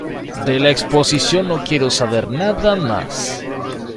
¡De la exposición no quiero saber nada más!